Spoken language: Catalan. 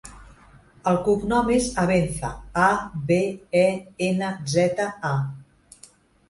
El cognom és Abenza: a, be, e, ena, zeta, a.